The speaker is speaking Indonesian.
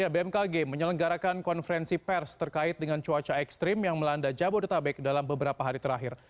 bmkg menyelenggarakan konferensi pers terkait dengan cuaca ekstrim yang melanda jabodetabek dalam beberapa hari terakhir